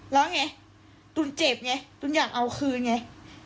แล้วไงตุ๋นเจ็บไงตุ๋นอยากเอาคืนไง